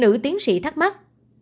nữ tiến sĩ thắc mắc